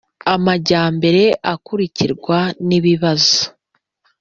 Amajyambere akurikirwa n ibibazo